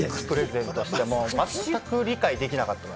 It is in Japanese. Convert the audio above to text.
全く理解できなかった。